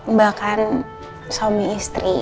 mbak kan suami istri